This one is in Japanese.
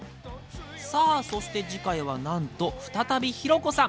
さあそして次回はなんと再びひろ子さん。